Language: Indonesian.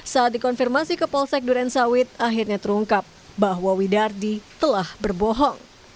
saat dikonfirmasi ke polsek durensawit akhirnya terungkap bahwa widardi telah berbohong